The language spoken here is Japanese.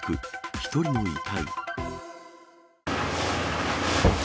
１人の遺体。